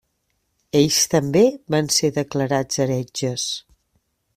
Ells també van ser declarats heretges.